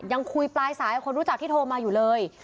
ยังคุยปลายสายกับคนรู้จักที่โทรมาอยู่เลย